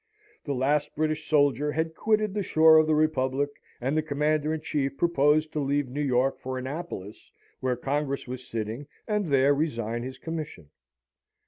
The last British soldier had quitted the shore of the Republic, and the Commander in Chief proposed to leave New York for Annapolis, where Congress was sitting, and there resign his commission.